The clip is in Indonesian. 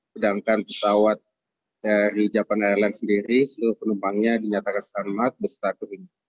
sedangkan pesawat dari japan airlines sendiri penumpangnya dinyatakan sama bersatu